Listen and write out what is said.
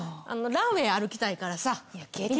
ランウェー歩きたいからさ見て。